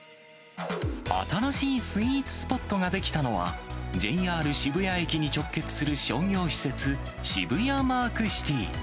新しいスイーツスポットが出来たのは、ＪＲ渋谷駅に直結する商業施設、渋谷マークシティ。